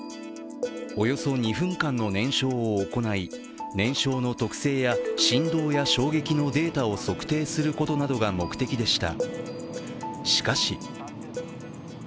およそ２分間の燃焼を行い燃焼の特性や振動や衝撃のデータを測定することなどが目的でした。